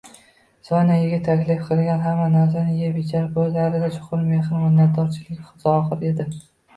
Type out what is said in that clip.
Sonya yigit taklif qilgan hamma narsani yeb-ichar, koʻzlarida chuqur mehr, minnatdorchilik zohir edi